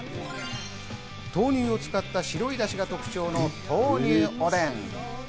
豆乳を使った、白いダシが特徴の豆乳おでん。